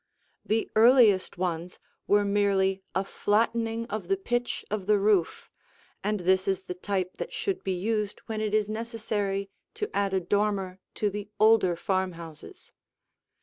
The earliest ones were merely a flattening of the pitch of the roof, and this is the type that should be used when it is necessary to add a dormer to the older farmhouses.